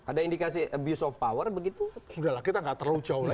ada indikasi abuse of power begitu sudah lah kita nggak terlalu jauh lagi